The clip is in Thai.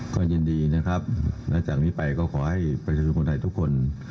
ก็ยินดีนะครับและจากนี้ไปก็ขอให้ประชาชนคนไทยทุกคน